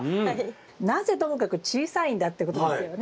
なぜともかく小さいんだってことですよね。